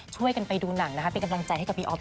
ช่วยกันไปดูหนังนะคะไปกำลังใจกับดีออพ